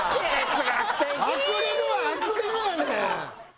アクリルはアクリルやねん。